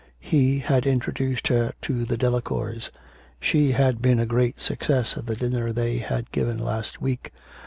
He had introduced her to the Delacours. She had been a great success at the dinner they had given last week.